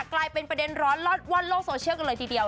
กลายเป็นประเด็นร้อนลอดว่อนโลกโซเชียลกันเลยทีเดียว